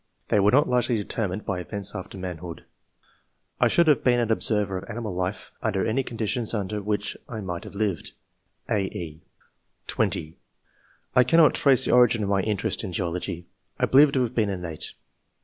They were not largely determined by events after manhood. I should have been an observer of animal life 174 ENGLISH MEN OF SCIENCE. [chap. under any conditions under which I might have lived." (a, e) (20) " I cannot trace the origin of my interest in geology. I believe it to have been innate.